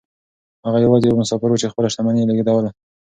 هغه يوازې يو مسافر و چې خپله شتمني يې لېږدوله.